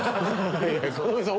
いやいや要さん